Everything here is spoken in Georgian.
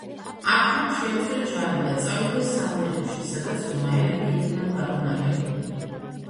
აქ მან შეავსო ჯარი და წავიდა სამნიუმში, სადაც რომაელები იყვნენ დაბანაკებულნი.